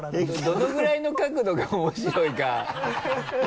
どのぐらいの角度が面白いか